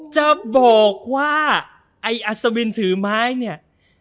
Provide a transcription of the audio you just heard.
จะบอกว่าไอ้อัศวินถือไม้เนี่ย